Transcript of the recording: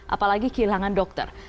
apalagi kehilangan dokter